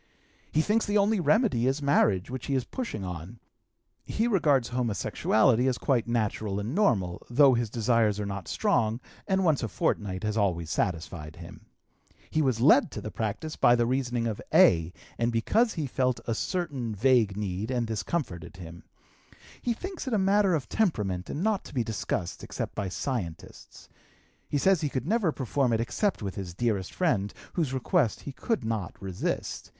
He thinks the only remedy is marriage, which he is pushing on. He regards homosexuality as quite natural and normal, though his desires are not strong, and once a fortnight has always satisfied him. He was led to the practice by the reasoning of A., and because he felt a certain vague need, and this comforted him. He thinks it a matter of temperament and not to be discussed, except by scientists. He says he could never perform it except with his dearest friend, whose request he could not resist.